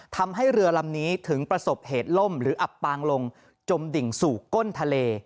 ทำให้เรือลำนี้ถึงประสบเหตุล่มหรืออับปางลงจมดิ่งสู่ก้นทะเล